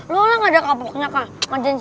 lo lah gak ada kapuknya kak